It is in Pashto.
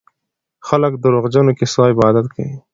خلک د دروغجنو کيسو عبادت کوي.